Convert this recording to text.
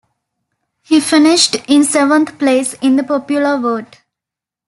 He finished in seventh place in the popular vote.